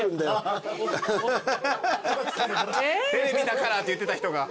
「テレビだから」って言ってた人が。